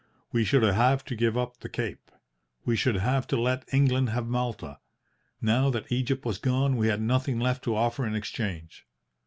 We should have to give up the Cape. We should have to let England have Malta. Now that Egypt was gone we had nothing left to offer in exchange.